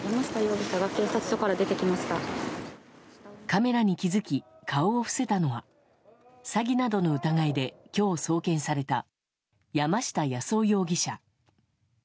カメラに気づき顔を伏せたのは詐欺などの疑いで今日送検された山下八洲夫容疑者。